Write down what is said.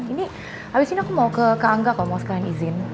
ini abis ini aku mau ke kak angga kok mau sekalian izin